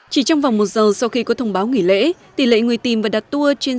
chỉ trong vòng một giờ sau khi có thông báo nghỉ lễ tỷ lệ người tìm và đặt tour trên